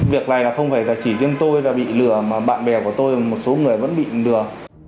việc này không phải chỉ riêng tôi bị lừa mà bạn bè của tôi và một số người vẫn bị lừa